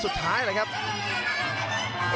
สตานท์ภพล็อกนายเกียรติป้องยุทเทียร์